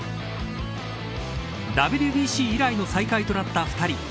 ＷＢＣ以来の再会となった２人。